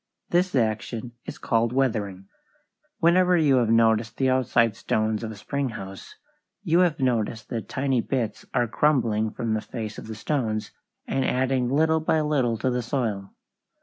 This action is called weathering. Whenever you have noticed the outside stones of a spring house, you have noticed that tiny bits are crumbling from the face of the stones, and adding little by little to the soil.